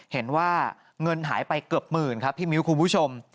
เห็นว่าเงินหายไปเกือบหมื่นครับพี่มิ้วคุณผู้ชม